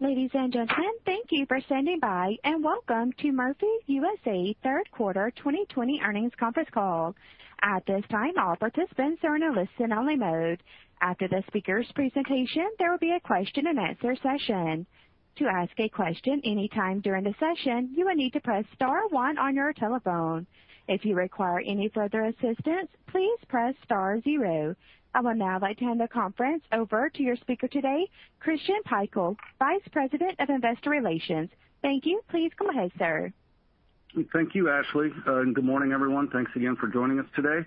Ladies and gentlemen, thank you for standing by, and welcome to Murphy USA third quarter 2020 earnings conference call. At this time, all participants are in a listen-only mode. After the speaker's presentation, there will be a question-and-answer session. To ask a question anytime during the session, you will need to press star one on your telephone. If you require any further assistance, please press star zero. I will now hand the conference over to your speaker today, Christian Pikul, Vice President of Investor Relations. Thank you. Please go ahead, sir. Thank you, Ashley. Good morning, everyone. Thanks again for joining us today.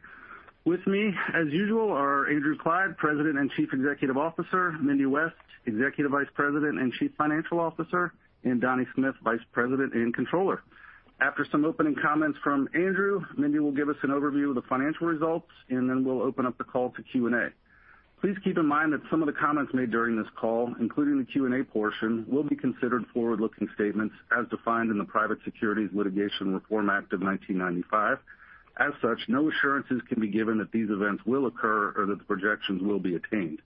With me, as usual, are Andrew Clyde, President and Chief Executive Officer, Mindy West, Executive Vice President and Chief Financial Officer, and Donnie Smith, Vice President and Controller. After some opening comments from Andrew, Mindy will give us an overview of the financial results, and then we'll open up the call to Q&A. Please keep in mind that some of the comments made during this call, including the Q&A portion, will be considered forward-looking statements as defined in the Private Securities Litigation Reform Act of 1995. As such, no assurances can be given that these events will occur or that the projections will be attained.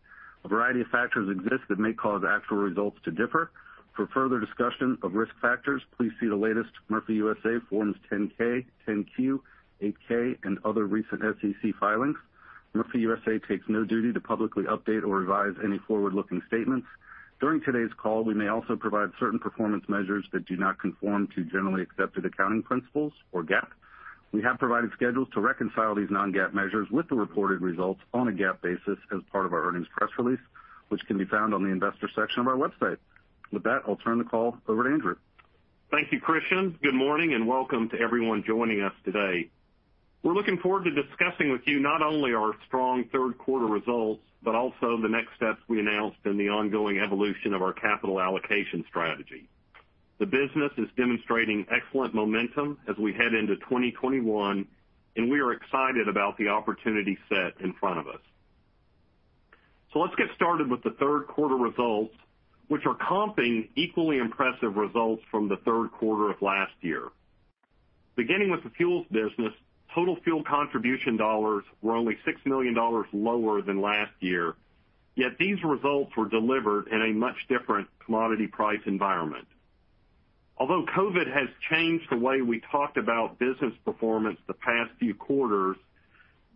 A variety of factors exist that may cause actual results to differ. For further discussion of risk factors, please see the latest Murphy USA Forms 10-K, 10-Q, 8-K, and other recent SEC filings. Murphy USA takes no duty to publicly update or revise any forward-looking statements. During today's call, we may also provide certain performance measures that do not conform to generally accepted accounting principles, or GAAP. We have provided schedules to reconcile these non-GAAP measures with the reported results on a GAAP basis as part of our earnings press release, which can be found on the investor section of our website. With that, I'll turn the call over to Andrew. Thank you, Christian. Good morning and welcome to everyone joining us today. We're looking forward to discussing with you not only our strong third quarter results but also the next steps we announced in the ongoing evolution of our capital allocation strategy. The business is demonstrating excellent momentum as we head into 2021, and we are excited about the opportunity set in front of us. So let's get started with the third quarter results, which are comping equally impressive results from the third quarter of last year. Beginning with the fuels business, total fuel contribution dollars were only $6 million lower than last year, yet these results were delivered in a much different commodity price environment. Although COVID has changed the way we talked about business performance the past few quarters,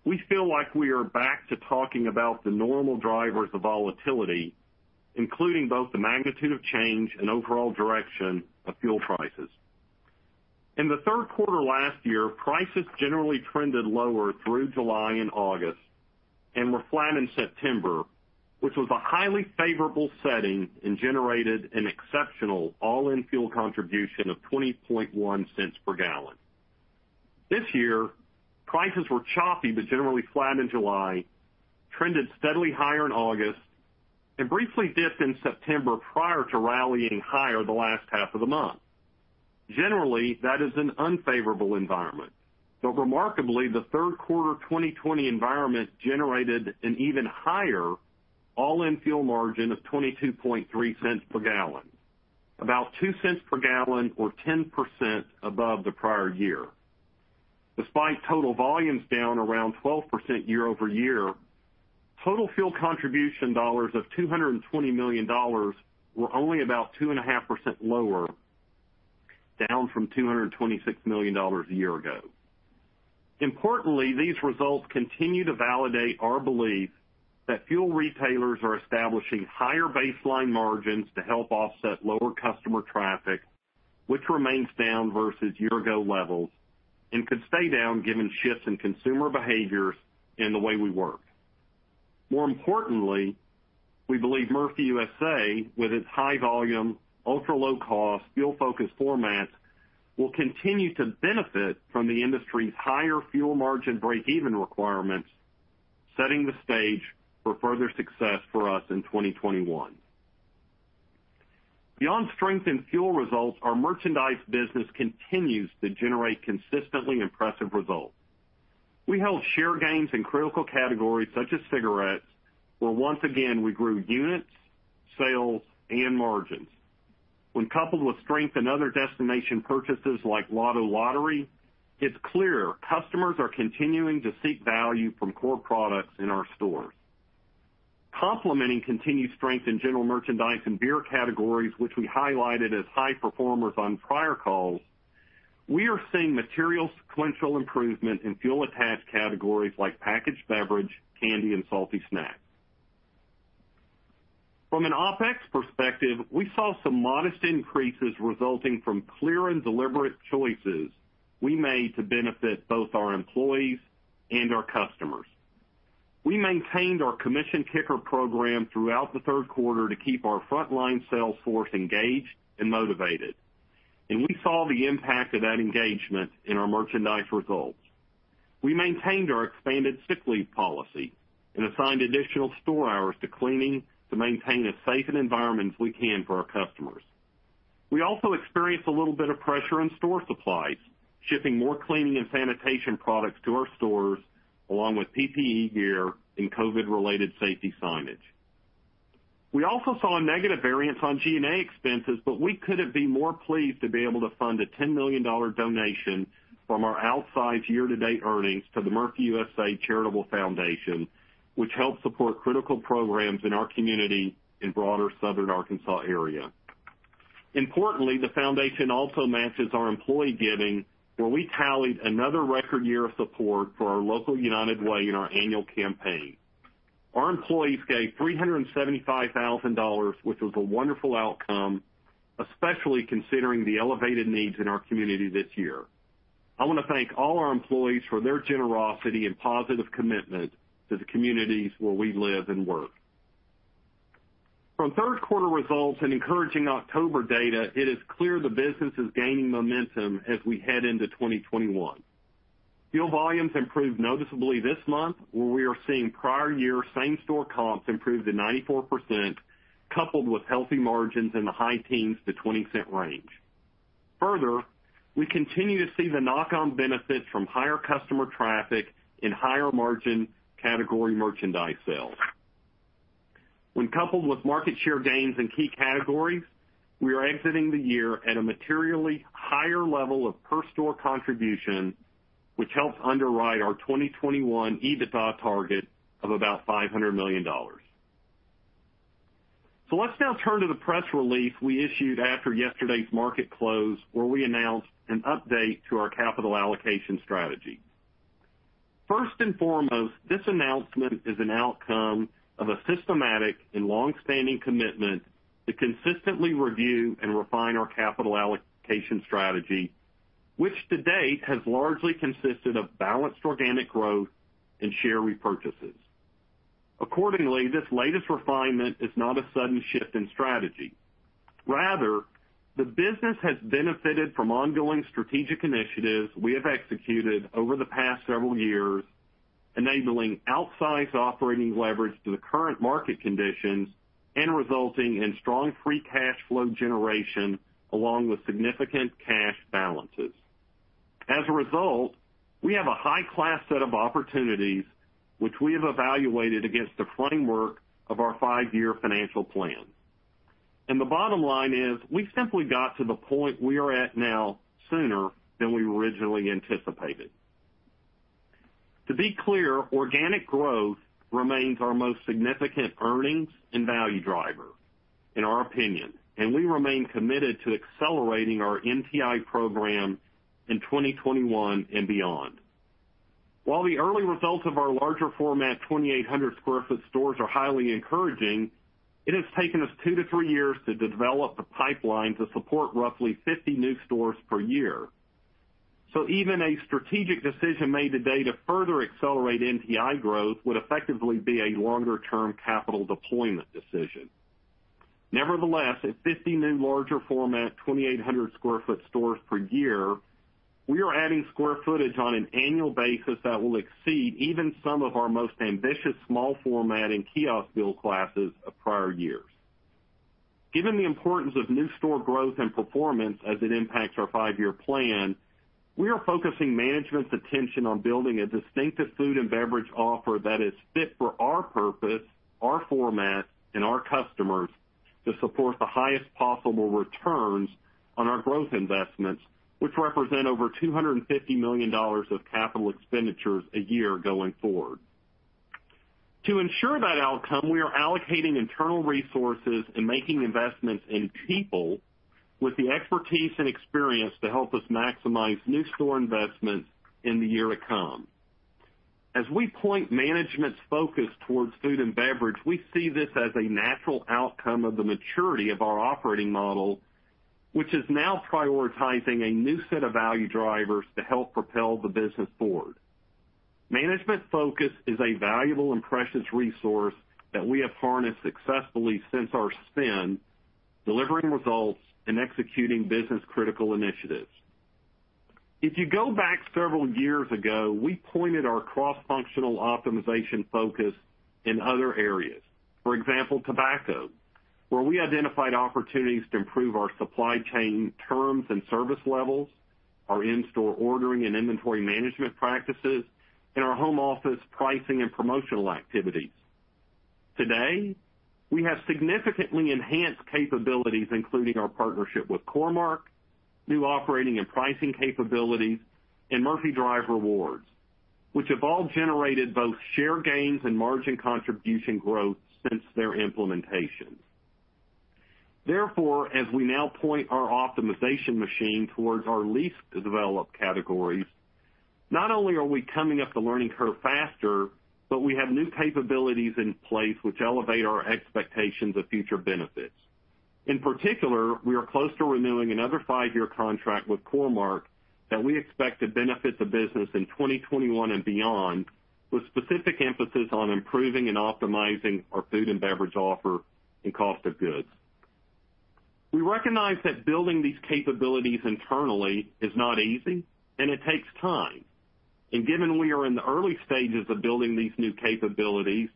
we feel like we are back to talking about the normal drivers of volatility, including both the magnitude of change and overall direction of fuel prices. In the third quarter last year, prices generally trended lower through July and August and were flat in September, which was a highly favorable setting and generated an exceptional all-in fuel contribution of $0.201 per gallon. This year, prices were choppy but generally flat in July, trended steadily higher in August, and briefly dipped in September prior to rallying higher the last half of the month. Generally, that is an unfavorable environment. But remarkably, the third quarter 2020 environment generated an even higher all-in fuel margin of $0.223 per gallon, about $0.02 per gallon or 10% above the prior year. Despite total volumes down around 12% year-over-year, total fuel contribution dollars of $220 million were only about 2.5% lower, down from $226 million a year ago. Importantly, these results continue to validate our belief that fuel retailers are establishing higher baseline margins to help offset lower customer traffic, which remains down versus year-ago levels, and could stay down given shifts in consumer behaviors and the way we work. More importantly, we believe Murphy USA, with its high-volume, ultra-low-cost, fuel-focused format, will continue to benefit from the industry's higher fuel margin break-even requirements, setting the stage for further success for us in 2021. Beyond strength in fuel results, our merchandise business continues to generate consistently impressive results. We held share gains in critical categories such as cigarettes, where once again we grew units, sales, and margins. When coupled with strength in other destination purchases like lotto lottery, it's clear customers are continuing to seek value from core products in our stores. Complementing continued strength in general merchandise and beer categories, which we highlighted as high performers on prior calls, we are seeing material sequential improvement in fuel-attached categories like packaged beverage, candy, and salty snacks. From an OpEx perspective, we saw some modest increases resulting from clear and deliberate choices we made to benefit both our employees and our customers. We maintained our commission kicker program throughout the third quarter to keep our frontline sales force engaged and motivated, and we saw the impact of that engagement in our merchandise results. We maintained our expanded sick leave policy and assigned additional store hours to cleaning to maintain as safe an environment as we can for our customers. We also experienced a little bit of pressure on store supplies, shipping more cleaning and sanitation products to our stores along with PPE gear and COVID-related safety signage. We also saw negative variance on G&A expenses, but we couldn't be more pleased to be able to fund a $10 million donation from our outsized year-to-date earnings to the Murphy USA Charitable Foundation, which helps support critical programs in our community and broader southern Arkansas area. Importantly, the foundation also matches our employee giving, where we tallied another record year of support for our local United Way in our annual campaign. Our employees gave $375,000, which was a wonderful outcome, especially considering the elevated needs in our community this year. I want to thank all our employees for their generosity and positive commitment to the communities where we live and work. From third quarter results and encouraging October data, it is clear the business is gaining momentum as we head into 2021. Fuel volumes improved noticeably this month, where we are seeing prior year's same-store comps improve to 94%, coupled with healthy margins in the high teens to $0.20 range. Further, we continue to see the knock-on benefits from higher customer traffic and higher margin category merchandise sales. When coupled with market share gains in key categories, we are exiting the year at a materially higher level of per-store contribution, which helps underwrite our 2021 EBITDA target of about $500 million. So let's now turn to the press release we issued after yesterday's market close, where we announced an update to our capital allocation strategy. First and foremost, this announcement is an outcome of a systematic and long-standing commitment to consistently review and refine our capital allocation strategy, which to date has largely consisted of balanced organic growth and share repurchases. Accordingly, this latest refinement is not a sudden shift in strategy. Rather, the business has benefited from ongoing strategic initiatives we have executed over the past several years, enabling outsized operating leverage to the current market conditions and resulting in strong free cash flow generation along with significant cash balances. As a result, we have a high-class set of opportunities, which we have evaluated against the framework of our five-year financial plan. And the bottom line is we simply got to the point we are at now sooner than we originally anticipated. To be clear, organic growth remains our most significant earnings and value driver, in our opinion, and we remain committed to accelerating our NTI program in 2021 and beyond. While the early results of our larger-format 2,800 sq ft stores are highly encouraging, it has taken us two to three years to develop the pipeline to support roughly 50 new stores per year. So even a strategic decision made today to further accelerate NTI growth would effectively be a longer-term capital deployment decision. Nevertheless, at 50 new larger-format 2,800 sq ft stores per year, we are adding square footage on an annual basis that will exceed even some of our most ambitious small-format and kiosk build classes of prior years. Given the importance of new store growth and performance as it impacts our five-year plan, we are focusing management's attention on building a distinctive food and beverage offer that is fit for our purpose, our format, and our customers to support the highest possible returns on our growth investments, which represent over $250 million of capital expenditures a year going forward. To ensure that outcome, we are allocating internal resources and making investments in people with the expertise and experience to help us maximize new store investments in the year to come. As we point management's focus towards food and beverage, we see this as a natural outcome of the maturity of our operating model, which is now prioritizing a new set of value drivers to help propel the business forward. Management focus is a valuable and precious resource that we have harnessed successfully since our spin, delivering results and executing business-critical initiatives. If you go back several years ago, we pointed our cross-functional optimization focus in other areas. For example, tobacco, where we identified opportunities to improve our supply chain terms and service levels, our in-store ordering and inventory management practices, and our home office pricing and promotional activities. Today, we have significantly enhanced capabilities, including our partnership with Core-Mark, new operating and pricing capabilities, and Murphy Drive Rewards, which have all generated both share gains and margin contribution growth since their implementation. Therefore, as we now point our optimization machine towards our least developed categories, not only are we coming up the learning curve faster, but we have new capabilities in place which elevate our expectations of future benefits. In particular, we are close to renewing another five-year contract with Core-Mark that we expect to benefit the business in 2021 and beyond, with specific emphasis on improving and optimizing our food and beverage offer and cost of goods. We recognize that building these capabilities internally is not easy, and it takes time. And given we are in the early stages of building these new capabilities,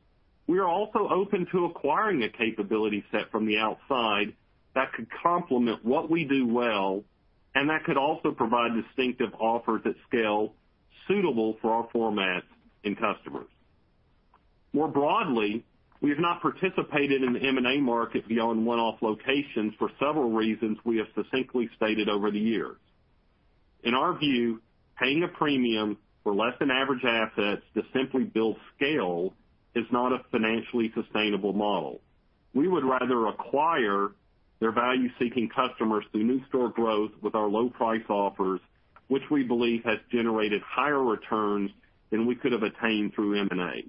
we are also open to acquiring a capability set from the outside that could complement what we do well and that could also provide distinctive offers at scale suitable for our formats and customers. More broadly, we have not participated in the M&A market beyond one-off locations for several reasons we have succinctly stated over the years. In our view, paying a premium for less-than-average assets to simply build scale is not a financially sustainable model. We would rather acquire their value-seeking customers through new store growth with our low-price offers, which we believe has generated higher returns than we could have attained through M&A.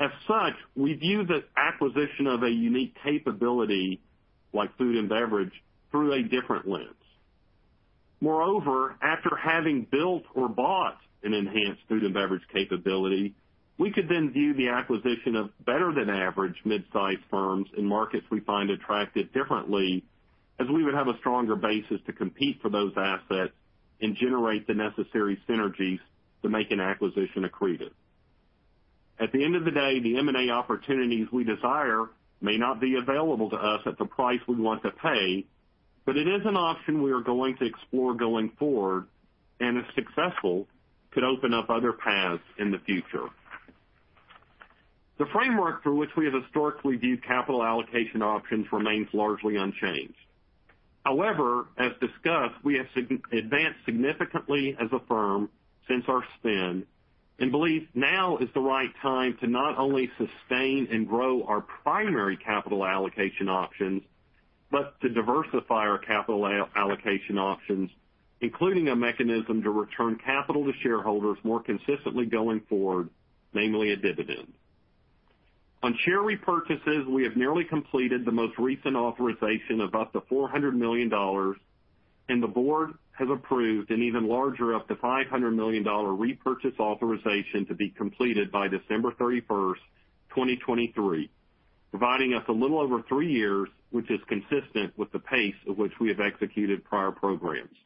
As such, we view the acquisition of a unique capability like food and beverage through a different lens. Moreover, after having built or bought an enhanced food and beverage capability, we could then view the acquisition of better-than-average mid-size firms in markets we find attracted differently, as we would have a stronger basis to compete for those assets and generate the necessary synergies to make an acquisition accretive. At the end of the day, the M&A opportunities we desire may not be available to us at the price we want to pay, but it is an option we are going to explore going forward, and if successful, could open up other paths in the future. The framework through which we have historically viewed capital allocation options remains largely unchanged. However, as discussed, we have advanced significantly as a firm since our spin and believe now is the right time to not only sustain and grow our primary capital allocation options but to diversify our capital allocation options, including a mechanism to return capital to shareholders more consistently going forward, namely a dividend. On share repurchases, we have nearly completed the most recent authorization of up to $400 million, and the board has approved an even larger up to $500 million repurchase authorization to be completed by December 31st, 2023, providing us a little over three years, which is consistent with the pace at which we have executed prior programs.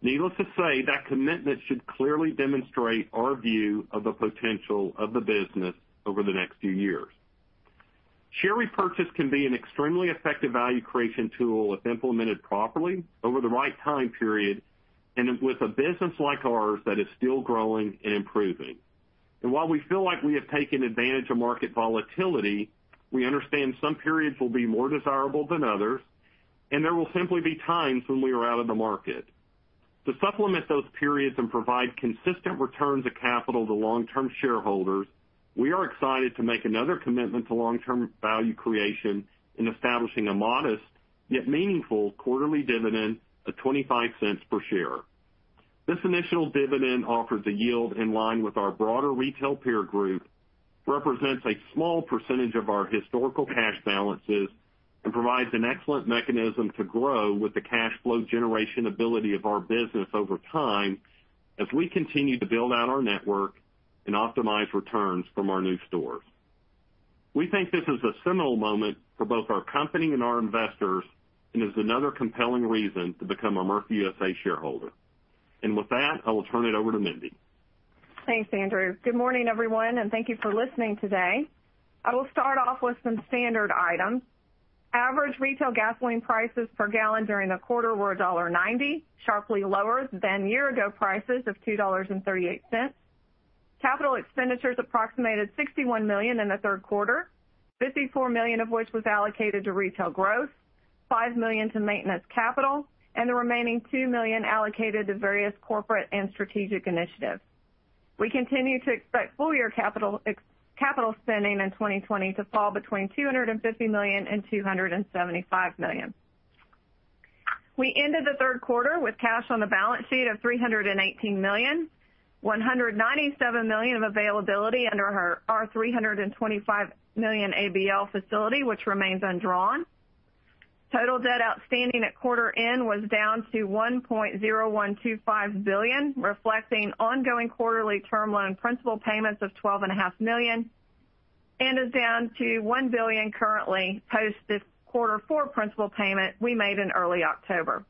Needless to say, that commitment should clearly demonstrate our view of the potential of the business over the next few years. Share repurchase can be an extremely effective value creation tool if implemented properly over the right time period and with a business like ours that is still growing and improving. And while we feel like we have taken advantage of market volatility, we understand some periods will be more desirable than others, and there will simply be times when we are out of the market. To supplement those periods and provide consistent returns of capital to long-term shareholders, we are excited to make another commitment to long-term value creation in establishing a modest yet meaningful quarterly dividend of $0.25 per share. This initial dividend offers a yield in line with our broader retail peer group, represents a small percentage of our historical cash balances, and provides an excellent mechanism to grow with the cash flow generation ability of our business over time as we continue to build out our network and optimize returns from our new stores. We think this is a seminal moment for both our company and our investors and is another compelling reason to become a Murphy USA shareholder, and with that, I will turn it over to Mindy. Thanks, Andrew. Good morning, everyone, and thank you for listening today. I will start off with some standard items. Average retail gasoline prices per gallon during the quarter were $1.90, sharply lower than year-ago prices of $2.38. Capital expenditures approximated $61 million in the third quarter, $54 million of which was allocated to retail growth, $5 million to maintenance capital, and the remaining $2 million allocated to various corporate and strategic initiatives. We continue to expect full-year capital spending in 2020 to fall between $250 million and $275 million. We ended the third quarter with cash on the balance sheet of $318 million, $197 million of availability under our $325 million ABL facility, which remains undrawn. Total debt outstanding at quarter end was down to $1.0125 billion, reflecting ongoing quarterly term loan principal payments of $12.5 million, and is down to $1 billion currently post this quarter four principal payment we made in early October.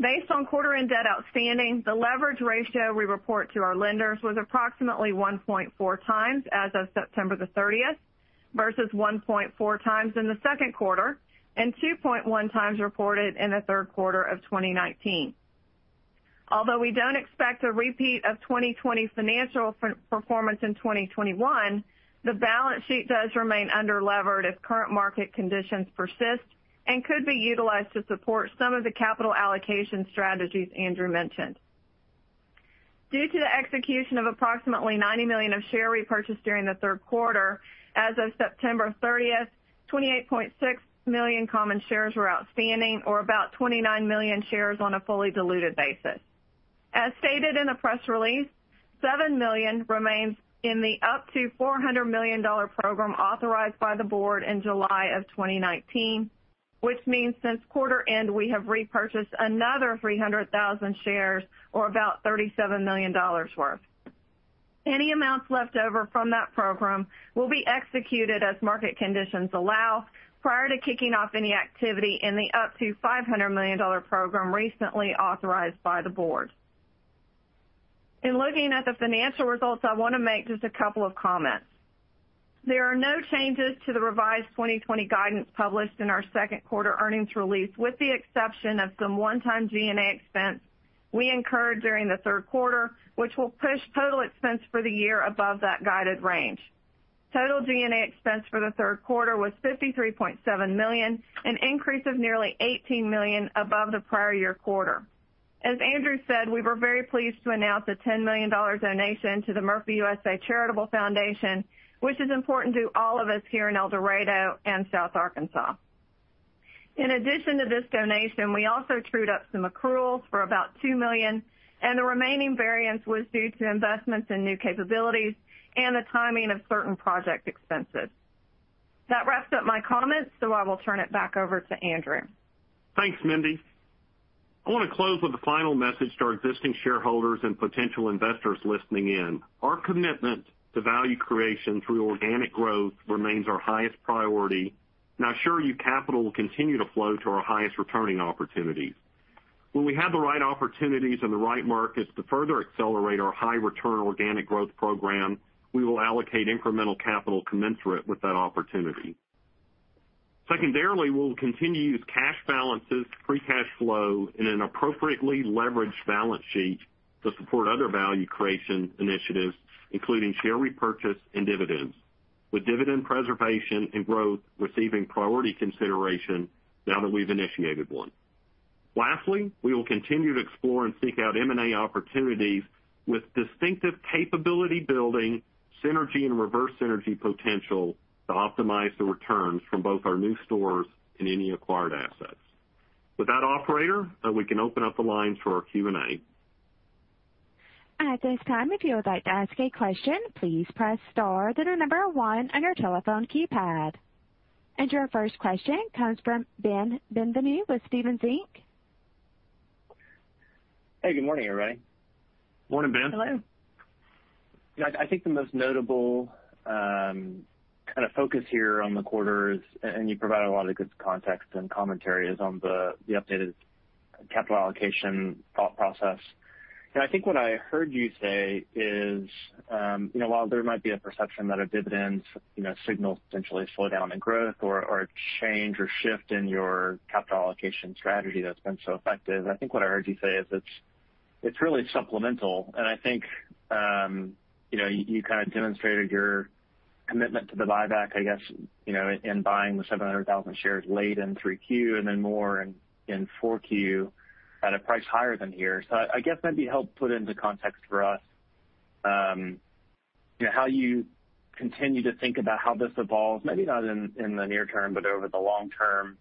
Based on quarter-end debt outstanding, the leverage ratio we report to our lenders was approximately 1.4x as of September 30th versus 1.4x in the second quarter and 2.1x reported in the third quarter of 2019. Although we don't expect a repeat of 2020 financial performance in 2021, the balance sheet does remain underlevered if current market conditions persist and could be utilized to support some of the capital allocation strategies Andrew mentioned. Due to the execution of approximately $90 million of share repurchase during the third quarter, as of September 30th, 28.6 million common shares were outstanding, or about 29 million shares on a fully diluted basis. As stated in the press release, $7 million remains in the up to $400 million program authorized by the board in July of 2019, which means since quarter end, we have repurchased another 300,000 shares, or about $37 million worth. Any amounts left over from that program will be executed as market conditions allow prior to kicking off any activity in the up to $500 million program recently authorized by the board. In looking at the financial results, I want to make just a couple of comments. There are no changes to the revised 2020 guidance published in our second quarter earnings release with the exception of some one-time G&A expense we incurred during the third quarter, which will push total expense for the year above that guided range. Total G&A expense for the third quarter was $53.7 million, an increase of nearly $18 million above the prior year quarter. As Andrew said, we were very pleased to announce a $10 million donation to the Murphy USA Charitable Foundation, which is important to all of us here in El Dorado and South Arkansas. In addition to this donation, we also trued up some accruals for about $2 million, and the remaining variance was due to investments in new capabilities and the timing of certain project expenses. That wraps up my comments, so I will turn it back over to Andrew. Thanks, Mindy. I want to close with a final message to our existing shareholders and potential investors listening in. Our commitment to value creation through organic growth remains our highest priority, and I assure you capital will continue to flow to our highest returning opportunities. When we have the right opportunities and the right markets to further accelerate our high-return organic growth program, we will allocate incremental capital commensurate with that opportunity. Secondarily, we'll continue to use cash balances free cash flow in an appropriately leveraged balance sheet to support other value creation initiatives, including share repurchase and dividends, with dividend preservation and growth receiving priority consideration now that we've initiated one. Lastly, we will continue to explore and seek out M&A opportunities with distinctive capability building, synergy, and reverse synergy potential to optimize the returns from both our new stores and any acquired assets. With that, Operator, we can open up the lines for our Q&A. At this time, if you would like to ask a question, please press star, then number one on your telephone keypad. And your first question comes from Ben Bienvenu with Stephens Inc. Hey, good morning, everybody. Morning, Ben. Hello. I think the most notable kind of focus here on the quarters, and you provided a lot of good context and commentary, is on the updated capital allocation thought process. I think what I heard you say is, while there might be a perception that a dividend signal potentially slow down in growth or a change or shift in your capital allocation strategy that's been so effective, I think what I heard you say is it's really supplemental. And I think you kind of demonstrated your commitment to the buyback, I guess, in buying the 700,000 shares late in 3Q and then more in 4Q at a price higher than here. So I guess maybe help put into context for us how you continue to think about how this evolves, maybe not in the near term, but over the long term.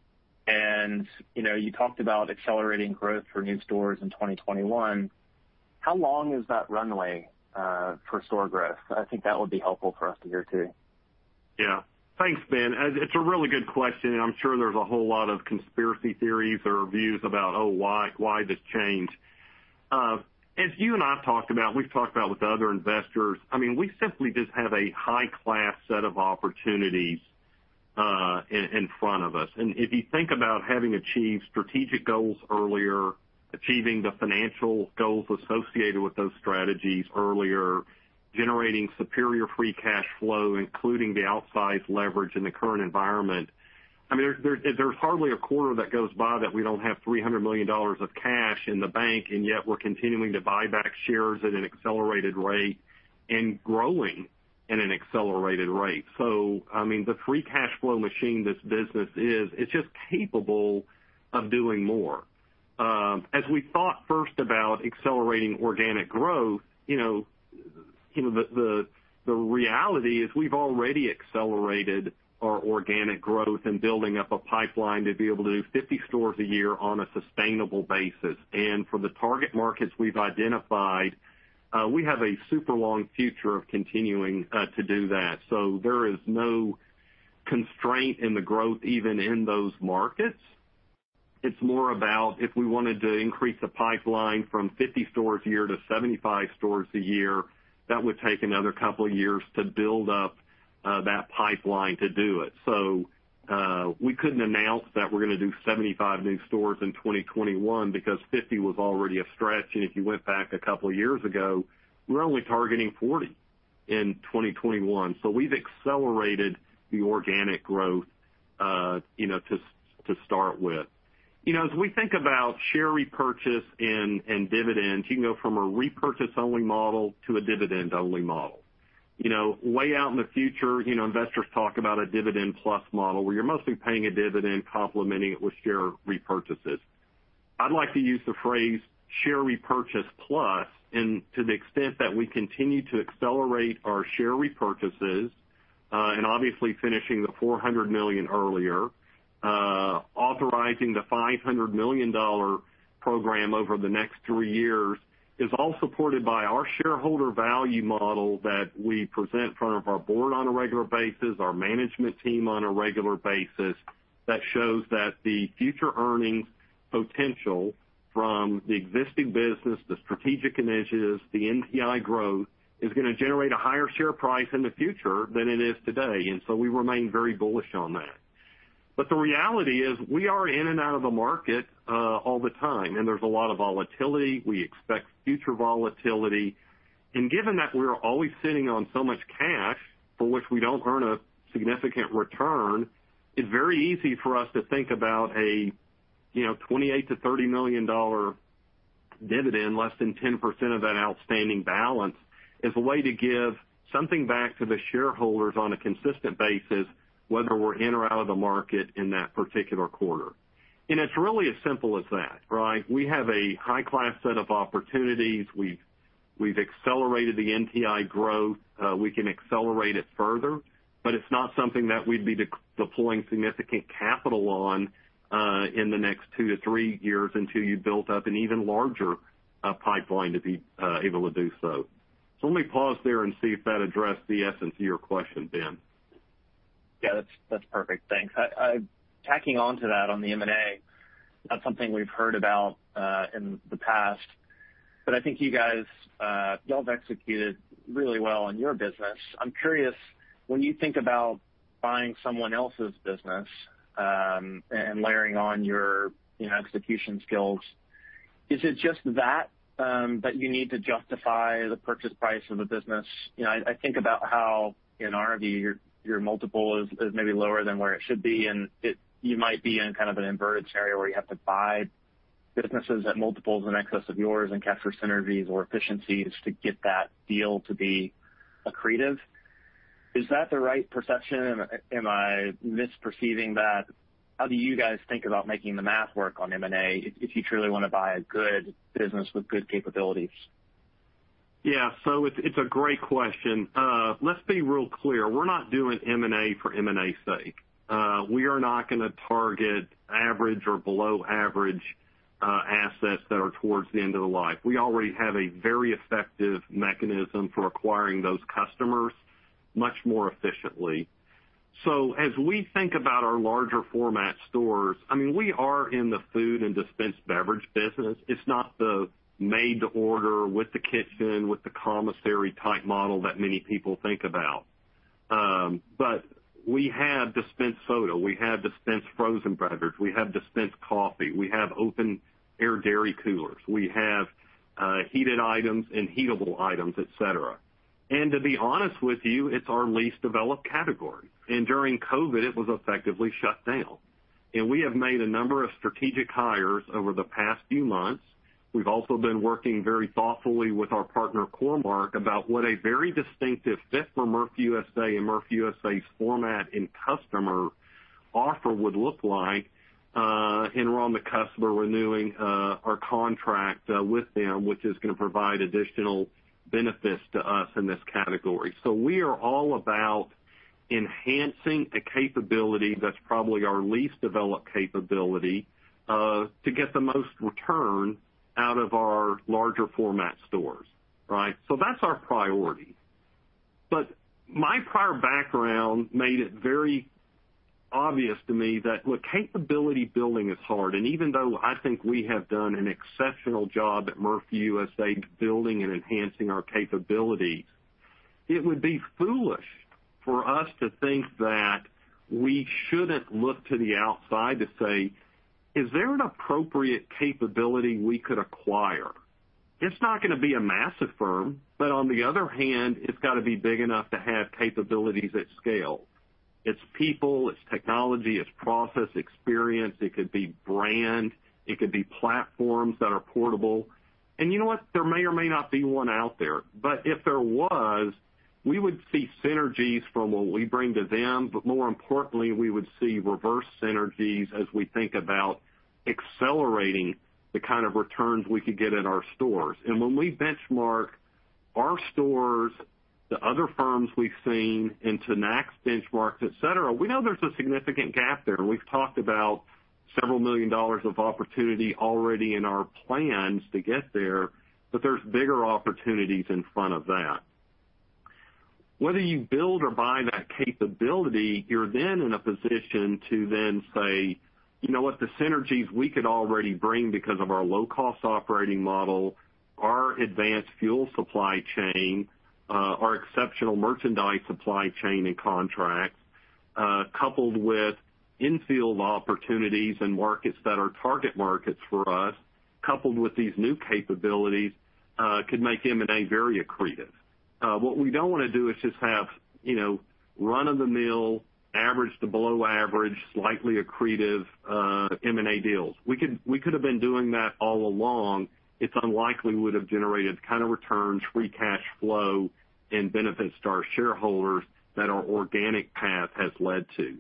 You talked about accelerating growth for new stores in 2021. How long is that runway for store growth? I think that would be helpful for us to hear too. Yeah. Thanks, Ben. It's a really good question, and I'm sure there's a whole lot of conspiracy theories or views about, "Oh, why this change?" As you and I've talked about, we've talked about with other investors, I mean, we simply just have a high-class set of opportunities in front of us. And if you think about having achieved strategic goals earlier, achieving the financial goals associated with those strategies earlier, generating superior free cash flow, including the outsized leverage in the current environment, I mean, there's hardly a quarter that goes by that we don't have $300 million of cash in the bank, and yet we're continuing to buy back shares at an accelerated rate and growing at an accelerated rate. So, I mean, the free cash flow machine this business is, it's just capable of doing more. As we thought first about accelerating organic growth, the reality is we've already accelerated our organic growth and building up a pipeline to be able to do 50 stores a year on a sustainable basis. And for the target markets we've identified, we have a super long future of continuing to do that. So there is no constraint in the growth even in those markets. It's more about if we wanted to increase the pipeline from 50 stores a year to 75 stores a year, that would take another couple of years to build up that pipeline to do it. So we couldn't announce that we're going to do 75 new stores in 2021 because 50 was already a stretch. And if you went back a couple of years ago, we're only targeting 40 in 2021. So we've accelerated the organic growth to start with. As we think about share repurchase and dividends, you can go from a repurchase-only model to a dividend-only model. Way out in the future, investors talk about a dividend-plus model where you're mostly paying a dividend, complementing it with share repurchases. I'd like to use the phrase share repurchase plus, and to the extent that we continue to accelerate our share repurchases and obviously finishing the $400 million earlier, authorizing the $500 million program over the next three years is all supported by our shareholder value model that we present in front of our board on a regular basis, our management team on a regular basis that shows that the future earnings potential from the existing business, the strategic initiatives, the NTI growth is going to generate a higher share price in the future than it is today. And so we remain very bullish on that. But the reality is we are in and out of the market all the time, and there's a lot of volatility. We expect future volatility. And given that we're always sitting on so much cash for which we don't earn a significant return, it's very easy for us to think about a $28 million-$30 million dividend, less than 10% of that outstanding balance, as a way to give something back to the shareholders on a consistent basis, whether we're in or out of the market in that particular quarter. And it's really as simple as that, right? We have a high-class set of opportunities. We've accelerated the NTI growth. We can accelerate it further, but it's not something that we'd be deploying significant capital on in the next two to three years until you build up an even larger pipeline to be able to do so. So let me pause there and see if that addressed the essence of your question, Ben. Yeah, that's perfect. Thanks. Tacking on to that on the M&A, that's something we've heard about in the past, but I think you guys have executed really well in your business. I'm curious, when you think about buying someone else's business and layering on your execution skills, is it just that that you need to justify the purchase price of the business? I think about how in our view, your multiple is maybe lower than where it should be, and you might be in kind of an inverted scenario where you have to buy businesses at multiples in excess of yours and capture synergies or efficiencies to get that deal to be accretive. Is that the right perception? Am I misperceiving that? How do you guys think about making the math work on M&A if you truly want to buy a good business with good capabilities? Yeah. So it's a great question. Let's be real clear. We're not doing M&A for M&A's sake. We are not going to target average or below average assets that are towards the end of the life. We already have a very effective mechanism for acquiring those customers much more efficiently. So as we think about our larger format stores, I mean, we are in the food and dispensed beverage business. It's not the made-to-order with the kitchen, with the commissary-type model that many people think about. But we have dispensed soda. We have dispensed frozen beverage. We have dispensed coffee. We have open-air dairy coolers. We have heated items and heatable items, etc. And to be honest with you, it's our least developed category. And during COVID, it was effectively shut down. And we have made a number of strategic hires over the past few months. We've also been working very thoughtfully with our partner Core-Mark about what a very distinctive fit for Murphy USA and Murphy USA's format and customer offer would look like in running the customer, renewing our contract with them, which is going to provide additional benefits to us in this category. So we are all about enhancing a capability that's probably our least developed capability to get the most return out of our larger format stores, right? So that's our priority. But my prior background made it very obvious to me that, look, capability building is hard. And even though I think we have done an exceptional job at Murphy USA building and enhancing our capabilities, it would be foolish for us to think that we shouldn't look to the outside to say, "Is there an appropriate capability we could acquire?" It's not going to be a massive firm, but on the other hand, it's got to be big enough to have capabilities at scale. It's people, it's technology, it's process, experience. It could be brand. It could be platforms that are portable. And you know what? There may or may not be one out there. But if there was, we would see synergies from what we bring to them, but more importantly, we would see reverse synergies as we think about accelerating the kind of returns we could get at our stores. And when we benchmark our stores, the other firms we've seen, into NACS benchmarks, etc., we know there's a significant gap there. And we've talked about several million dollars of opportunity already in our plans to get there, but there's bigger opportunities in front of that. Whether you build or buy that capability, you're then in a position to then say, "You know what? The synergies we could already bring because of our low-cost operating model, our advanced fuel supply chain, our exceptional merchandise supply chain and contracts, coupled with in-fill opportunities and markets that are target markets for us, coupled with these new capabilities, could make M&A very accretive." What we don't want to do is just have run-of-the-mill, average-to-below-average, slightly accretive M&A deals. We could have been doing that all along. It's unlikely we would have generated the kind of returns, free cash flow, and benefits to our shareholders that our organic path has led to.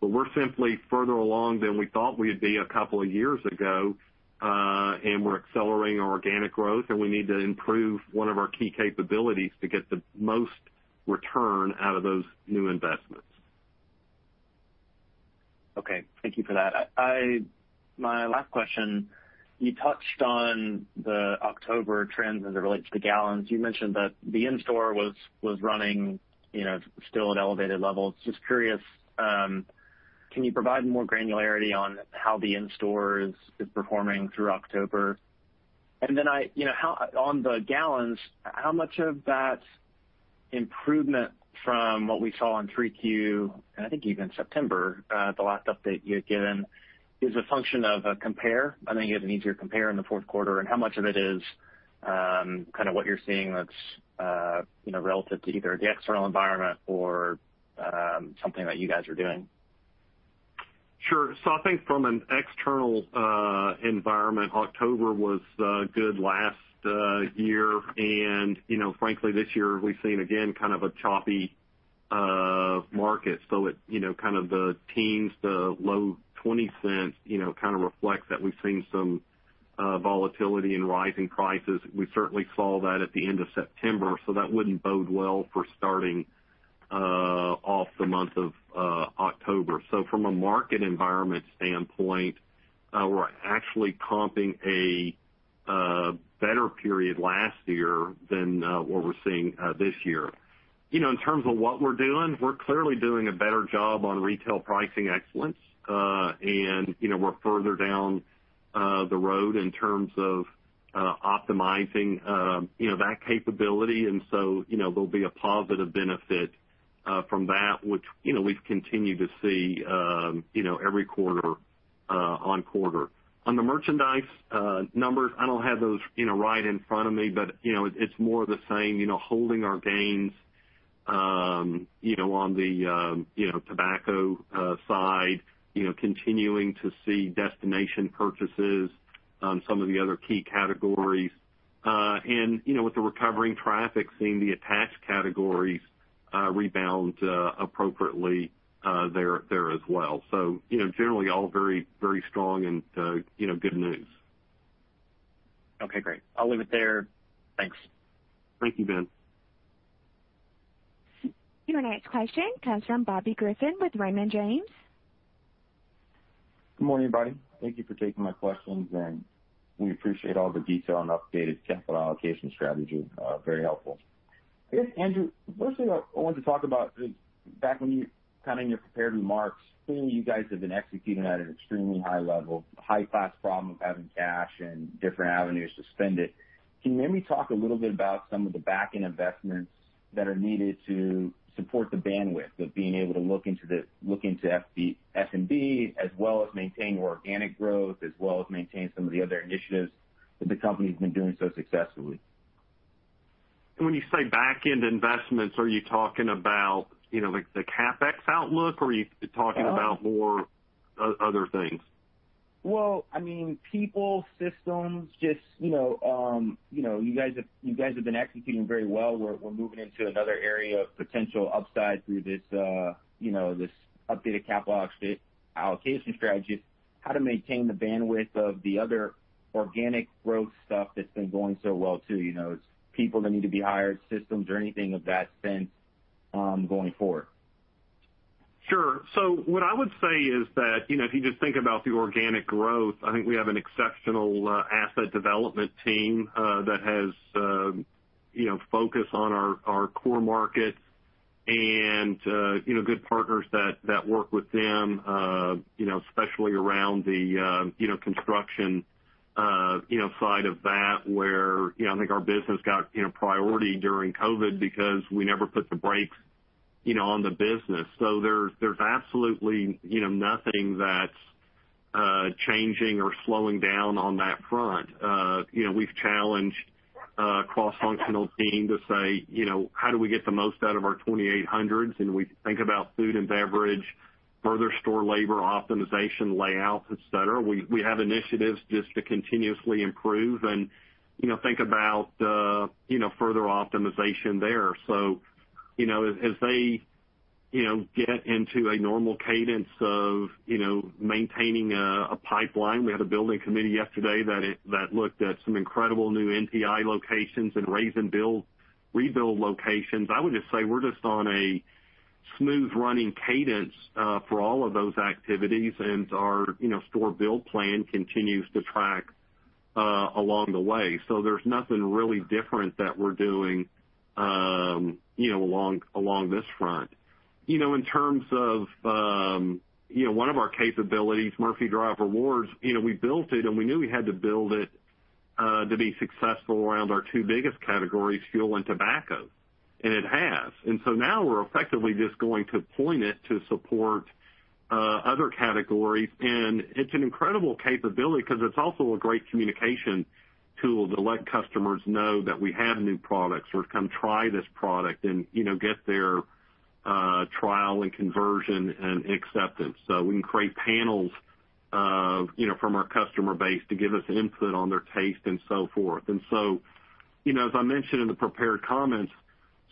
But we're simply further along than we thought we would be a couple of years ago, and we're accelerating our organic growth, and we need to improve one of our key capabilities to get the most return out of those new investments. Okay. Thank you for that. My last question, you touched on the October trends as it relates to gallons. You mentioned that the in-store was running still at elevated levels. Just curious, can you provide more granularity on how the in-store is performing through October? And then on the gallons, how much of that improvement from what we saw in 3Q, and I think even September, the last update you had given, is a function of a compare? I think you had an easier compare in the fourth quarter. And how much of it is kind of what you're seeing that's relative to either the external environment or something that you guys are doing? Sure. So I think from an external environment, October was good last year. And frankly, this year, we've seen again kind of a choppy market. So kind of the teens, the low $0.20 kind of reflects that we've seen some volatility in rising prices. We certainly saw that at the end of September, so that wouldn't bode well for starting off the month of October. So from a market environment standpoint, we're actually pumping a better period last year than what we're seeing this year. In terms of what we're doing, we're clearly doing a better job on retail pricing excellence, and we're further down the road in terms of optimizing that capability. And so there'll be a positive benefit from that, which we've continued to see every quarter on quarter. On the merchandise numbers, I don't have those right in front of me, but it's more of the same holding our gains on the tobacco side, continuing to see destination purchases, some of the other key categories, and with the recovering traffic, seeing the attached categories rebound appropriately there as well, so generally, all very, very strong and good news. Okay. Great. I'll leave it there. Thanks. Thank you, Ben. Your next question comes from Bobby Griffin with Raymond James. Good morning, everybody. Thank you for taking my questions, and we appreciate all the detail and updated capital allocation strategy. Very helpful. I guess, Andrew, the first thing I wanted to talk about is back when you kind of in your prepared remarks, clearly you guys have been executing at an extremely high level, high-class problem of having cash and different avenues to spend it. Can you maybe talk a little bit about some of the backend investments that are needed to support the bandwidth of being able to look into F&B as well as maintain your organic growth, as well as maintain some of the other initiatives that the company has been doing so successfully? When you say backend investments, are you talking about the CapEx outlook, or are you talking about more other things? Well, I mean, people, systems, just you guys have been executing very well. We're moving into another area of potential upside through this updated CapEx allocation strategy. How to maintain the bandwidth of the other organic growth stuff that's been going so well too? It's people that need to be hired, systems, or anything of that sense going forward? Sure. So what I would say is that if you just think about the organic growth, I think we have an exceptional asset development team that has focus on our core markets and good partners that work with them, especially around the construction side of that, where I think our business got priority during COVID because we never put the brakes on the business. So there's absolutely nothing that's changing or slowing down on that front. We've challenged a cross-functional team to say, "How do we get the most out of our 2,800s?" And we think about food and beverage, further store labor optimization layouts, etc. We have initiatives just to continuously improve and think about further optimization there. So as they get into a normal cadence of maintaining a pipeline, we had a building committee yesterday that looked at some incredible new NTI locations and raze and rebuild locations. I would just say we're just on a smooth-running cadence for all of those activities, and our store build plan continues to track along the way, so there's nothing really different that we're doing along this front. In terms of one of our capabilities, Murphy Drive Rewards, we built it, and we knew we had to build it to be successful around our two biggest categories, fuel and tobacco, and it has, and so now we're effectively just going to point it to support other categories, and it's an incredible capability because it's also a great communication tool to let customers know that we have new products or to come try this product and get their trial and conversion and acceptance, so we can create panels from our customer base to give us input on their taste and so forth. And so, as I mentioned in the prepared comments,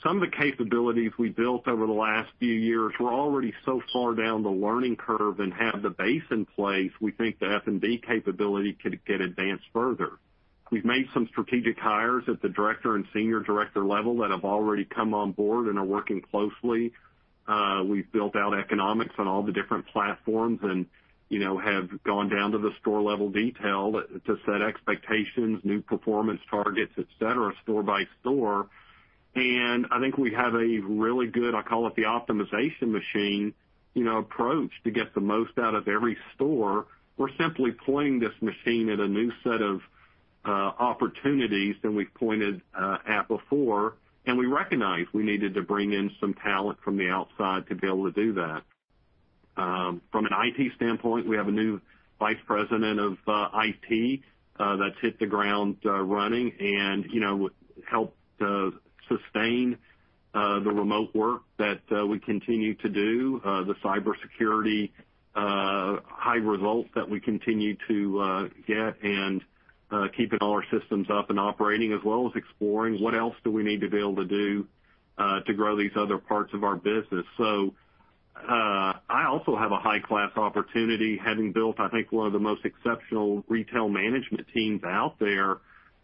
some of the capabilities we built over the last few years were already so far down the learning curve and have the base in place. We think the F&B capability could get advanced further. We've made some strategic hires at the director and senior director level that have already come on board and are working closely. We've built out economics on all the different platforms and have gone down to the store-level detail to set expectations, new performance targets, etc., store by store. And I think we have a really good, I call it the optimization machine approach to get the most out of every store. We're simply pulling this machine at a new set of opportunities than we've pointed at before. And we recognize we needed to bring in some talent from the outside to be able to do that. From an IT standpoint, we have a new vice president of IT that's hit the ground running and helped sustain the remote work that we continue to do, the cybersecurity high results that we continue to get and keeping all our systems up and operating, as well as exploring what else do we need to be able to do to grow these other parts of our business. So I also have a high-class opportunity, having built, I think, one of the most exceptional retail management teams out there.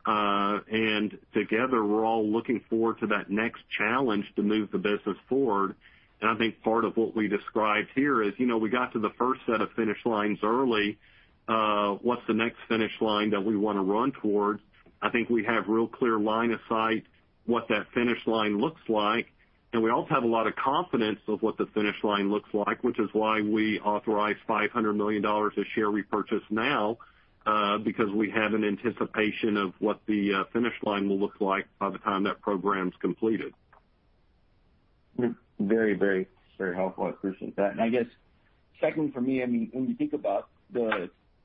And together, we're all looking forward to that next challenge to move the business forward. And I think part of what we described here is we got to the first set of finish lines early. What's the next finish line that we want to run towards? I think we have real clear line of sight what that finish line looks like. We also have a lot of confidence of what the finish line looks like, which is why we authorize $500 million of share repurchase now because we have an anticipation of what the finish line will look like by the time that program's completed. Very, very, very helpful. I appreciate that. I guess, second, for me, I mean, when you think about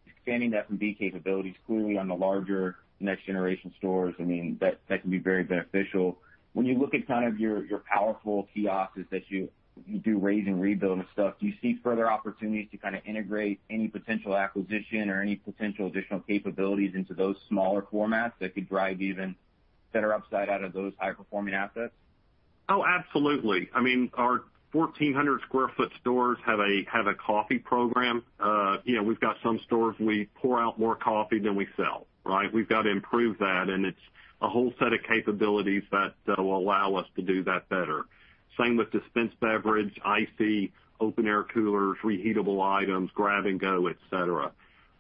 expanding that from F&B capabilities, clearly on the larger next-generation stores, I mean, that can be very beneficial. When you look at kind of your powerful kiosks that you do raze and rebuild and stuff, do you see further opportunities to kind of integrate any potential acquisition or any potential additional capabilities into those smaller formats that could drive even better upside out of those high-performing assets? Oh, absolutely. I mean, our 1,400 sq ft stores have a coffee program. We've got some stores we pour out more coffee than we sell, right? We've got to improve that, and it's a whole set of capabilities that will allow us to do that better. Same with dispensed beverage, ice, open-air coolers, reheatable items, grab-and-go, etc.,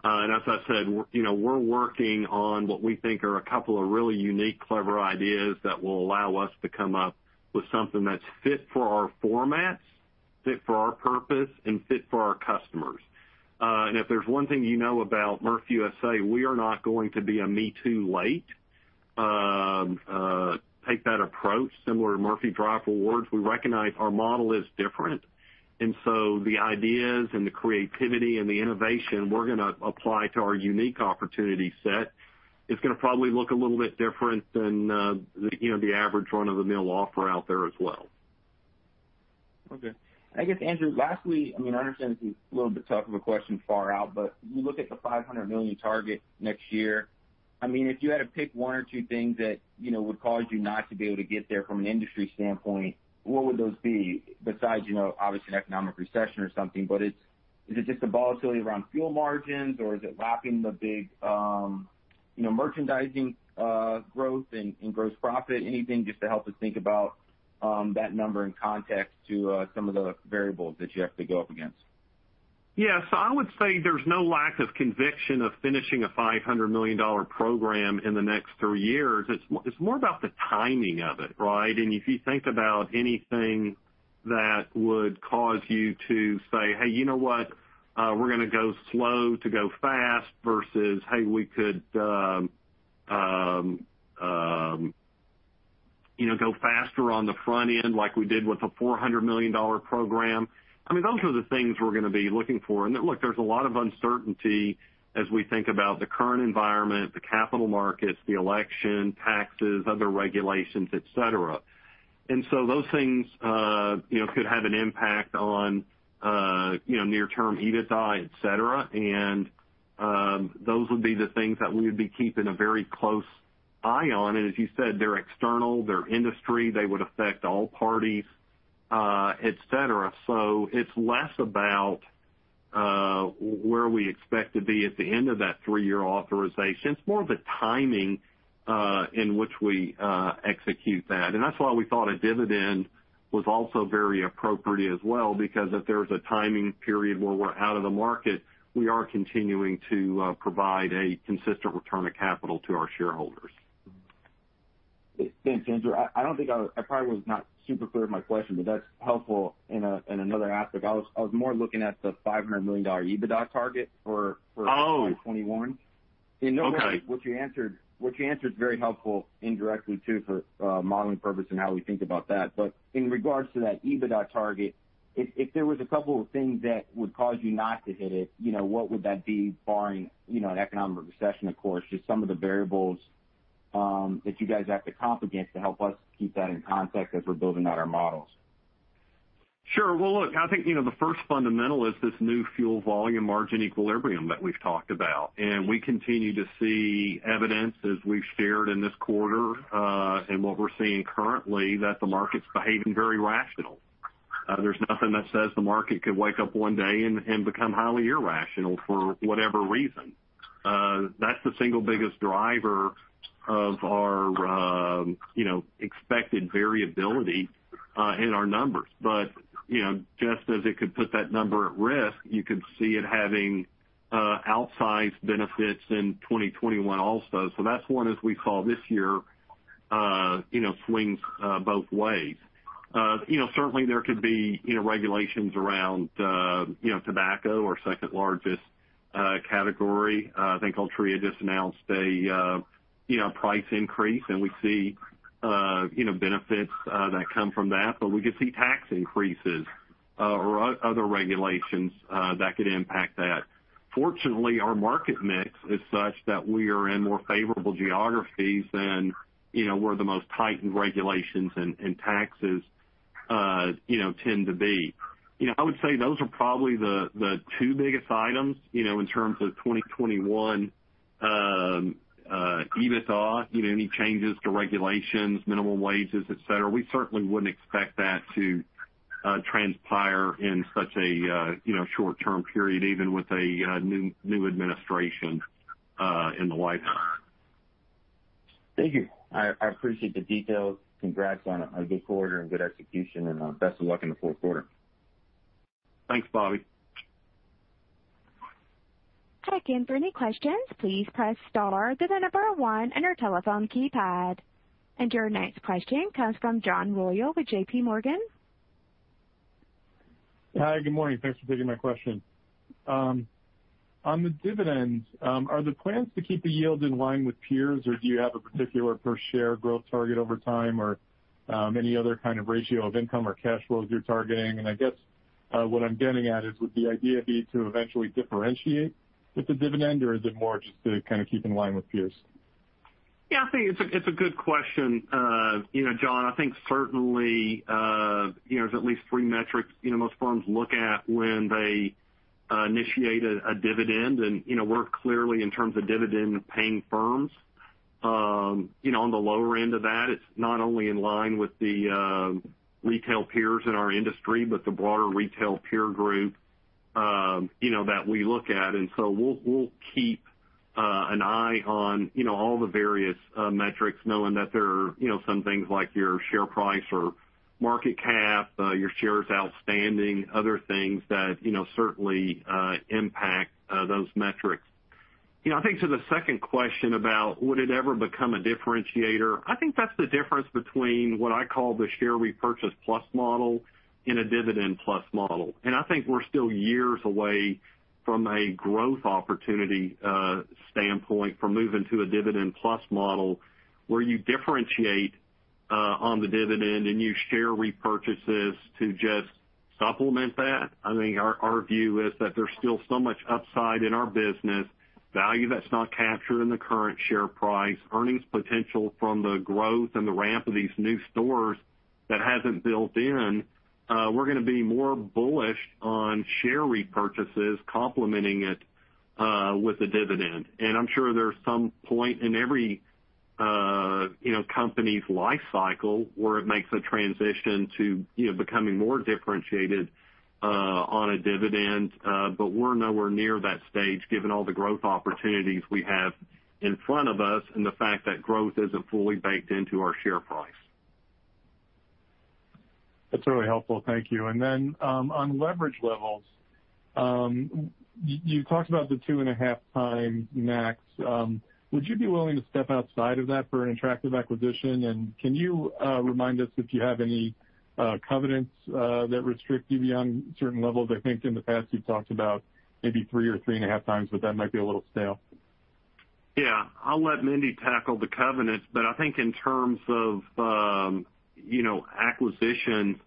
and as I said, we're working on what we think are a couple of really unique, clever ideas that will allow us to come up with something that's fit for our formats, fit for our purpose, and fit for our customers. And if there's one thing you know about Murphy USA, we are not going to be a me too late. Take that approach. Similar to Murphy Drive Rewards, we recognize our model is different. And so the ideas and the creativity and the innovation we're going to apply to our unique opportunity set is going to probably look a little bit different than the average run-of-the-mill offer out there as well. Okay. I guess, Andrew, lastly, I mean, I understand this is a little bit tough of a question far out, but you look at the 500 million target next year. I mean, if you had to pick one or two things that would cause you not to be able to get there from an industry standpoint, what would those be besides, obviously, an economic recession or something? But is it just the volatility around fuel margins, or is it lapping the big merchandising growth and gross profit? Anything just to help us think about that number in context to some of the variables that you have to go up against? Yeah. So I would say there's no lack of conviction of finishing a $500 million program in the next three years. It's more about the timing of it, right? And if you think about anything that would cause you to say, "Hey, you know what? We're going to go slow to go fast," versus, "Hey, we could go faster on the front end like we did with the $400 million program." I mean, those are the things we're going to be looking for. And look, there's a lot of uncertainty as we think about the current environment, the capital markets, the election, taxes, other regulations, etc. And so those things could have an impact on near-term EBITDA, etc. And those would be the things that we would be keeping a very close eye on. And as you said, they're external, they're industry, they would affect all parties, etc. So it's less about where we expect to be at the end of that three-year authorization. It's more of the timing in which we execute that. And that's why we thought a dividend was also very appropriate as well, because if there's a timing period where we're out of the market, we are continuing to provide a consistent return of capital to our shareholders. Thanks, Andrew. I don't think I probably was not super clear with my question, but that's helpful in another aspect. I was more looking at the $500 million EBITDA target for 2021. In other words, what you answered is very helpful indirectly too for modeling purpose and how we think about that. But in regards to that EBITDA target, if there was a couple of things that would cause you not to hit it, what would that be, barring an economic recession, of course, just some of the variables that you guys have to comp against to help us keep that in context as we're building out our models? Sure. Well, look, I think the first fundamental is this new fuel volume margin equilibrium that we've talked about. And we continue to see evidence, as we've shared in this quarter and what we're seeing currently, that the market's behaving very rationally. There's nothing that says the market could wake up one day and become highly irrational for whatever reason. That's the single biggest driver of our expected variability in our numbers. But just as it could put that number at risk, you could see it having outsized benefits in 2021 also. So that's one as we saw this year swings both ways. Certainly, there could be regulations around tobacco or second largest category. I think Altria just announced a price increase, and we see benefits that come from that. But we could see tax increases or other regulations that could impact that. Fortunately, our market mix is such that we are in more favorable geographies than where the most tightened regulations and taxes tend to be. I would say those are probably the two biggest items in terms of 2021 EBITDA. Any changes to regulations, minimum wages, etc., we certainly wouldn't expect that to transpire in such a short-term period, even with a new administration in the lifetime. Thank you. I appreciate the details. Congrats on a good quarter and good execution, and best of luck in the fourth quarter. Thanks, Bobby. Check in for any questions, please press star to the number one on your telephone keypad. And your next question comes from John Royall with JPMorgan. Hi, good morning. Thanks for taking my question. On the dividends, are the plans to keep the yield in line with peers, or do you have a particular per-share growth target over time or any other kind of ratio of income or cash flows you're targeting? And I guess what I'm getting at is, would the idea be to eventually differentiate with the dividend, or is it more just to kind of keep in line with peers? Yeah, I think it's a good question, John. I think certainly there's at least three metrics most firms look at when they initiate a dividend. And we're clearly, in terms of dividend-paying firms, on the lower end of that. It's not only in line with the retail peers in our industry, but the broader retail peer group that we look at. And so we'll keep an eye on all the various metrics, knowing that there are some things like your share price or market cap, your shares outstanding, other things that certainly impact those metrics. I think to the second question about would it ever become a differentiator, I think that's the difference between what I call the share repurchase plus model and a dividend plus model. And I think we're still years away from a growth opportunity standpoint from moving to a dividend plus model where you differentiate on the dividend and you share repurchases to just supplement that. I mean, our view is that there's still so much upside in our business, value that's not captured in the current share price, earnings potential from the growth and the ramp of these new stores that hasn't built in. We're going to be more bullish on share repurchases, complementing it with a dividend. And I'm sure there's some point in every company's life cycle where it makes a transition to becoming more differentiated on a dividend. But we're nowhere near that stage, given all the growth opportunities we have in front of us and the fact that growth isn't fully baked into our share price. That's really helpful. Thank you. And then on leverage levels, you talked about the two-and-a-half-time max. Would you be willing to step outside of that for an attractive acquisition? And can you remind us if you have any covenants that restrict you beyond certain levels? I think in the past you've talked about maybe 3x or 3.5x, but that might be a little stale. Yeah. I'll let Mindy tackle the covenants. But I think in terms of acquisitions,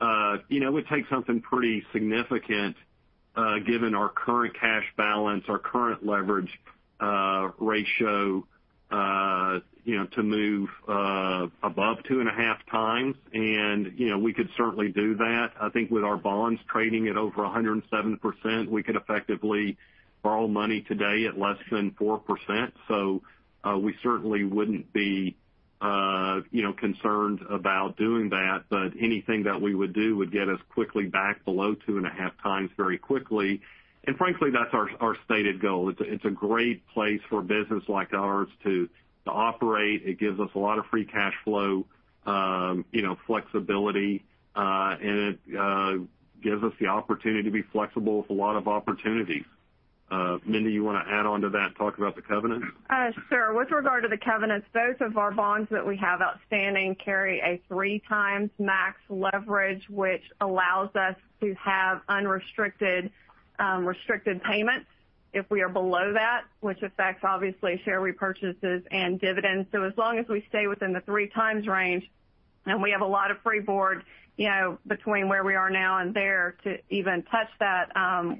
it would take something pretty significant, given our current cash balance, our current leverage ratio, to move above 2.5x. And we could certainly do that. I think with our bonds trading at over 107%, we could effectively borrow money today at less than 4%. So we certainly wouldn't be concerned about doing that. But anything that we would do would get us quickly back below 2.5x very quickly. And frankly, that's our stated goal. It's a great place for business like ours to operate. It gives us a lot of free cash flow flexibility, and it gives us the opportunity to be flexible with a lot of opportunities. Mindy, you want to add on to that and talk about the covenants? Sure. With regard to the covenants, both of our bonds that we have outstanding carry a 3x max leverage, which allows us to have unrestricted payments if we are below that, which affects, obviously, share repurchases and dividends. So as long as we stay within the 3x range and we have a lot of freeboard between where we are now and there to even touch that,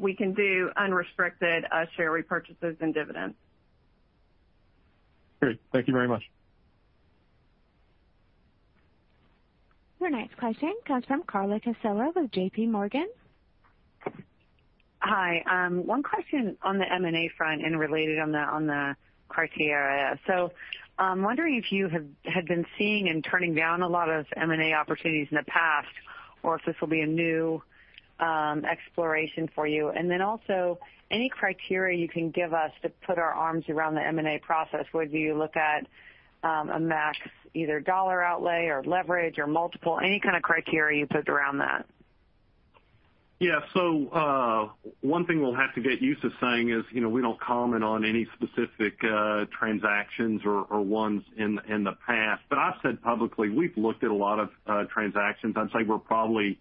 we can do unrestricted share repurchases and dividends. Great. Thank you very much. Your next question comes from Carla Casella with J.P. Morgan. Hi. One question on the M&A front and related on the criteria. So I'm wondering if you had been seeing and turning down a lot of M&A opportunities in the past, or if this will be a new exploration for you. And then also, any criteria you can give us to put our arms around the M&A process? Whether you look at a max either dollar outlay or leverage or multiple, any kind of criteria you put around that? Yeah. So one thing we'll have to get used to saying is we don't comment on any specific transactions or ones in the past. But I've said publicly, we've looked at a lot of transactions. I'd say we're probably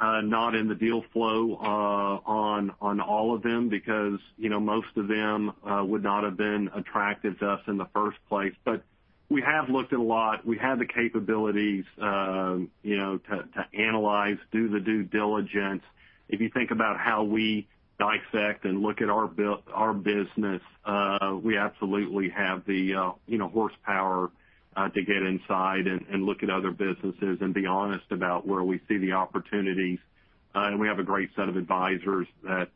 not in the deal flow on all of them because most of them would not have been attractive to us in the first place. But we have looked at a lot. We have the capabilities to analyze, do the due diligence. If you think about how we dissect and look at our business, we absolutely have the horsepower to get inside and look at other businesses and be honest about where we see the opportunities. And we have a great set of advisors that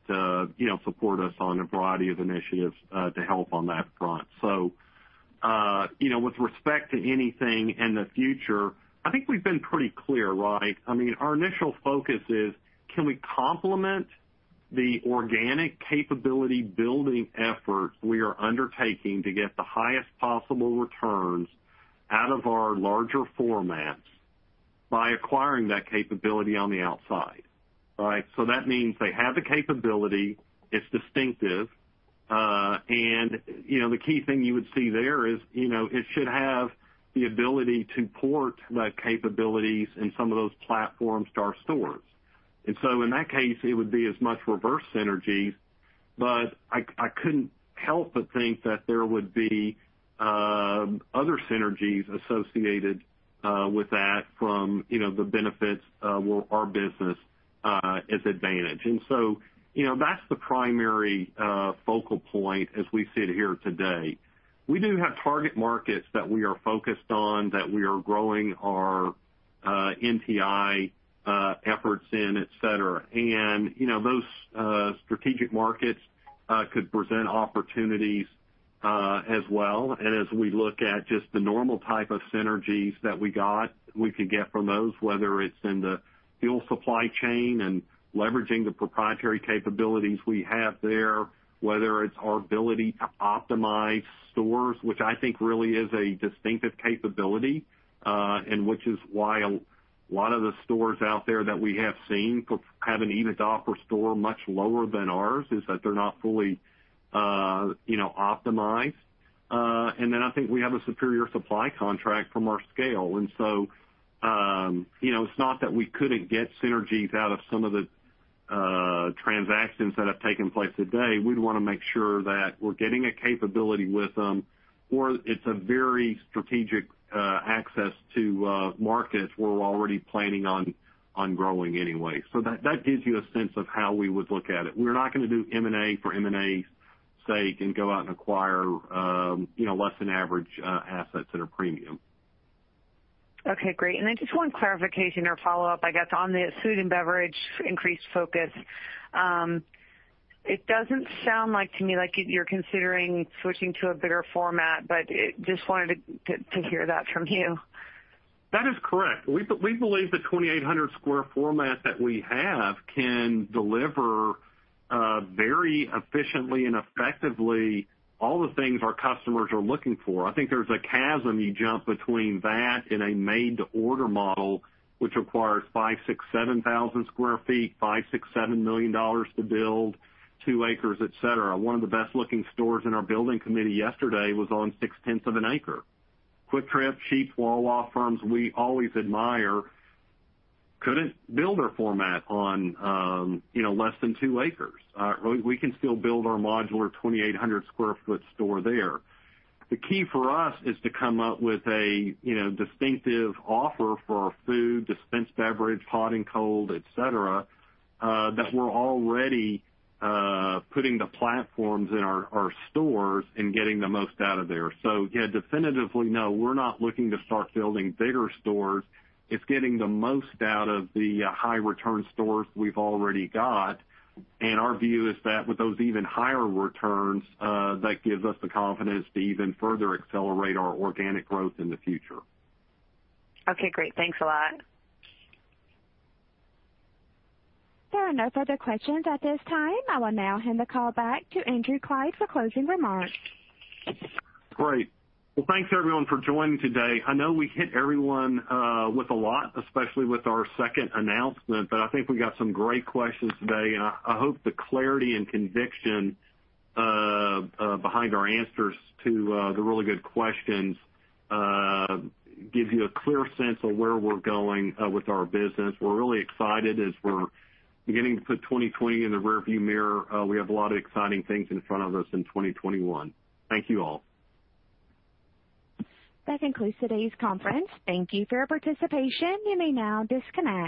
support us on a variety of initiatives to help on that front. So with respect to anything in the future, I think we've been pretty clear, right? I mean, our initial focus is, can we complement the organic capability building efforts we are undertaking to get the highest possible returns out of our larger formats by acquiring that capability on the outside, right? So that means they have the capability, it's distinctive. And the key thing you would see there is it should have the ability to port the capabilities in some of those platforms to our stores. And so in that case, it would be as much reverse synergies. But I couldn't help but think that there would be other synergies associated with that from the benefits where our business is advantaged. And so that's the primary focal point as we sit here today. We do have target markets that we are focused on, that we are growing our NTI efforts in, etc. And those strategic markets could present opportunities as well. As we look at just the normal type of synergies that we got, we could get from those, whether it's in the fuel supply chain and leveraging the proprietary capabilities we have there, whether it's our ability to optimize stores, which I think really is a distinctive capability, and which is why a lot of the stores out there that we have seen having EBITDA per store much lower than ours is that they're not fully optimized. Then I think we have a superior supply contract from our scale. So it's not that we couldn't get synergies out of some of the transactions that have taken place today. We'd want to make sure that we're getting a capability with them, or it's a very strategic access to markets we're already planning on growing anyway. So that gives you a sense of how we would look at it. We're not going to do M&A for M&A's sake and go out and acquire less than average assets that are premium. Okay. Great. And I just want clarification or follow-up, I guess, on the food and beverage increased focus. It doesn't sound like to me like you're considering switching to a bigger format, but just wanted to hear that from you. That is correct. We believe the 2,800-sq ft format that we have can deliver very efficiently and effectively all the things our customers are looking for. I think there's a chasm you jump between that and a made-to-order model, which requires 5,000-7,000 sq ft, $5 million-7 million to build, two acres, etc. One of the best-looking stores in our building committee yesterday was on 0.6 of an acre. QuikTrip, Sheetz, Wawa firms we always admire couldn't build their format on less than two acres. We can still build our modular 2,800-sq ft store there. The key for us is to come up with a distinctive offer for our food, dispensed beverage, hot and cold, etc., that we're already putting the platforms in our stores and getting the most out of there. So yeah, definitively, no, we're not looking to start building bigger stores. It's getting the most out of the high-return stores we've already got. And our view is that with those even higher returns, that gives us the confidence to even further accelerate our organic growth in the future. Okay. Great. Thanks a lot. There are no further questions at this time. I will now hand the call back to Andrew Clyde for closing remarks. Great. Thanks everyone for joining today. I know we hit everyone with a lot, especially with our second announcement, but I think we got some great questions today. And I hope the clarity and conviction behind our answers to the really good questions gives you a clear sense of where we're going with our business. We're really excited as we're beginning to put 2020 in the rearview mirror. We have a lot of exciting things in front of us in 2021. Thank you all. That concludes today's conference. Thank you for your participation. You may now disconnect.